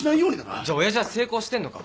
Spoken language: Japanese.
じゃあ親父は成功してんのか？